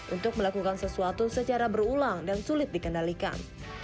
untuk melakukan sesuatu secara berulang dan sulit dikendalikan